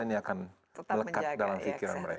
ini akan melekat dalam pikiran mereka